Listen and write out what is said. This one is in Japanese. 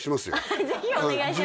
はいぜひお願いします